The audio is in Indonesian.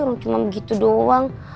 orang cuma begitu doang